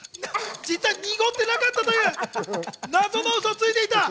濁ってなかったという謎のウソをついていた。